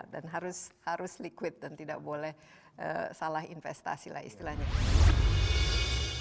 dan harus harus liquid dan tidak boleh salah investasi lah istilahnya